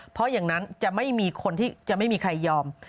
เพราะอย่างนั้นจะไม่มีคนที่จะไม่มีใครยอม